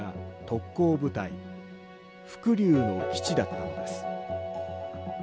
特攻部隊伏龍の基地だったのです。